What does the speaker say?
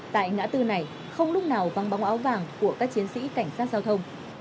tại ngã tư này không lúc nào văng bóng áo vàng của các chiến sĩ cảnh sát giao thông